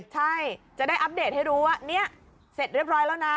ใช่จะได้อัปเดตให้รู้ว่าเนี่ยเสร็จเรียบร้อยแล้วนะ